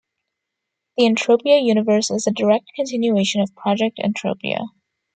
The Entropia Universe is a direct continuation of Project Entropia.